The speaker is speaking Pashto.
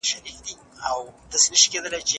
زه له تا تېز منډه وهم!!